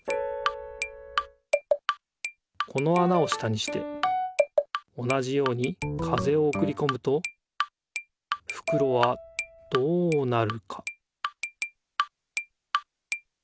このあなを下にして同じように風をおくりこむとふくろはどうなるか？